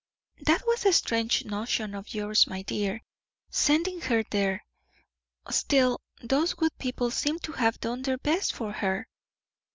"That was a strange notion of yours, my dear, sending her there. Still, those good people seem to have done their best for her."